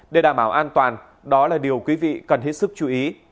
để đảm bảo an toàn đó là điều quý vị cần hết sức chú ý